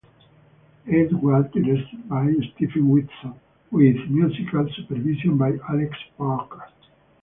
It was directed by Stephen Whitson, with Musical Supervision by Alex Parker.